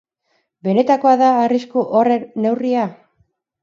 Benetakoa da arrisku horren neurria?